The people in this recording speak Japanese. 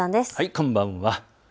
こんばんは。